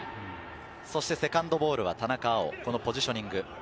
そして、セカンドボールは田中碧、このポジショニング。